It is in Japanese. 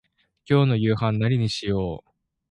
今日の夕飯何にしよう。